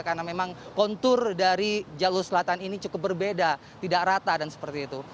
karena memang kontur dari jalur selatan ini cukup berbeda tidak rata dan seperti itu